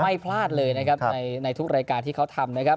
ไม่พลาดเลยนะครับในทุกรายการที่เขาทำนะครับ